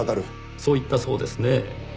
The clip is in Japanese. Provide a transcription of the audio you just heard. そう言ったそうですねぇ。